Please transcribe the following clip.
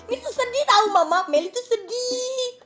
ini tuh sedih tau mama melih tuh sedih